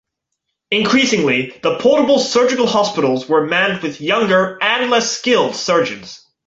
Increasingly, the portable surgical hospitals were manned with younger and less skilled surgeons.